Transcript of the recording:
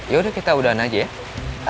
yaudah kita udahan aja ya